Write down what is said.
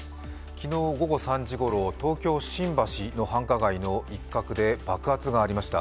昨日午後３時ごろ、東京・新橋の繁華街の一角で爆発がありました。